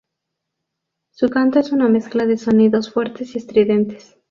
Su canto es una mezcla de sonidos fuertes y estridentes.